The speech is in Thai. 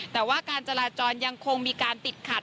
แต่ว่าการจราจรยังคงมีการติดขัด